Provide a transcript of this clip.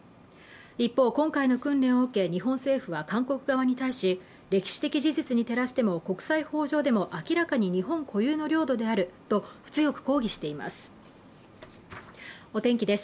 一方、今回の訓練を受け、日本政府は韓国側に対し歴史的事実に照らしても国際法上でも明らかに日本固有の領土であると強く抗議しています。